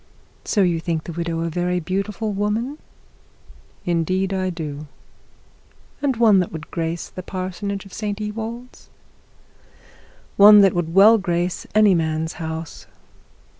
'So you think the widow a very beautiful woman?' 'Indeed I do.' 'And one that would grace the parsonage at St Ewold's.' 'One that would grace any man's house.'